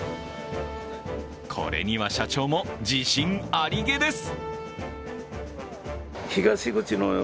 これには社長も自信ありげです。